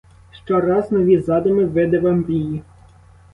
Що раз нові задуми, видива, мрії.